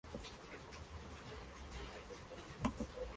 Estaba dirigida a los colonos españoles, en detrimento de la población nativa.